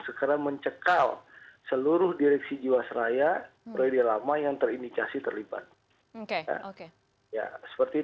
sekarang mencekal seluruh direksi jawa seraya proyek di lama yang terindikasi terlibat